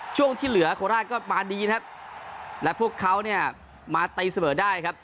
ช่วงที่เหลือโคราชก็มาดีครับและพวกเขาเนี่ยมาตีเสมอได้ครับ